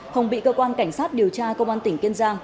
hồng bị cơ quan cảnh sát điều tra công an tỉnh kiên giang